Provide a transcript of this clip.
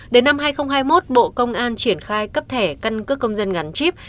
đến năm hai nghìn hai mươi một bộ công an triển khai cấp thẻ căn cước công dân gắn chip